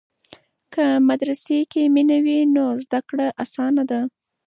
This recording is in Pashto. که مدرسې کې مینه وي نو زده کړه اسانه ده.